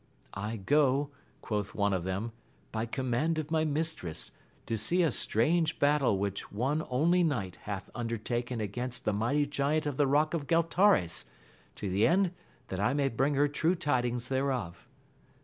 I go, quoth one of them, by command of my mistress, to see a strange battle which one only knight hath undertaken against the mighty giant of the rock of Gal tares, to the end that I may bring her true tidings thereof.